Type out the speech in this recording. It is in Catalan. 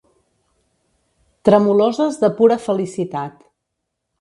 Tremoloses de pura felicitat.